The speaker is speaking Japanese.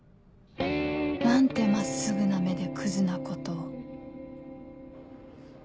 なんて真っすぐな目でクズなことを